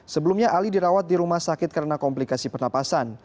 sebelumnya ali dirawat di rumah sakit karena komplikasi pernapasan